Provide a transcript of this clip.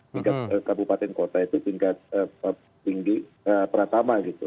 tingkat kabupaten kota itu tingkat tinggi pratama gitu